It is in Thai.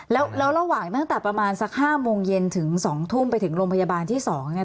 แล้วระหว่างตั้งแต่ประมาณสัก๕โมงเย็นถึง๒ทุ่มไปถึงโรงพยาบาลที่๒เนี่ย